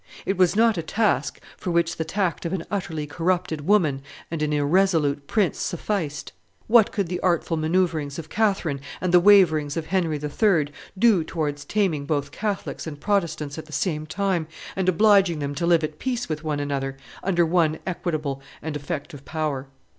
It was not a task for which the tact of an utterly corrupted woman and an irresolute prince sufficed. What could the artful manoeuvrings of Catherine and the waverings of Henry III. do towards taming both Catholics and Protestants at the same time, and obliging them to live at peace with one another, under one equitable and effective power?